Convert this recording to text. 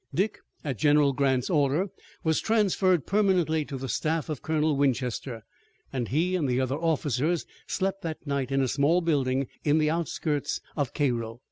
Dick, at General Grant's order, was transferred permanently to the staff of Colonel Winchester, and he and the other officers slept that night in a small building in the outskirts of Cairo.